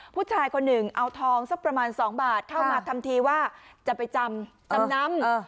ผู้ชายคนหนึ่งเอาทองสักประมาณ๒บาทเข้ามาทำทีว่าจะไปจำจำนำ